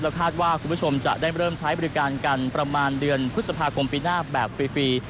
คาดว่าคุณผู้ชมจะได้เริ่มใช้บริการกันประมาณเดือนพฤษภาคมปีหน้าแบบฟรี